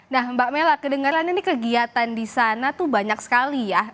nah mbak mela kedengeran ini kegiatan di sana tuh banyak sekali ya